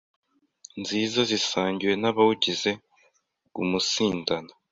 nziza zisangiwe n’abawugize: guumunsindana,